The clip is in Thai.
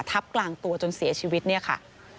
ทับกลางตัวจนเสียชีวิตเนี่ยค่ะ